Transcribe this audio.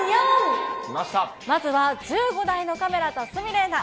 まずは１５台のカメラと鷲見玲奈。